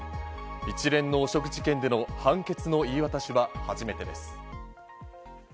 一連の汚職事件での判決の言い渡しは初めてです。